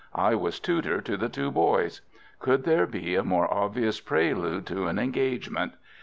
I was tutor to the two boys. Could there be a more obvious prelude to an engagement?